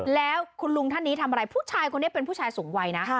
แล้วคุณลุงท่านนี้ทำอะไรผู้ชายคนนี้เป็นผู้ชายสูงวัยนะ